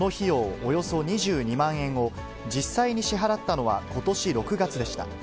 およそ２２万円を、実際に支払ったのはことし６月でした。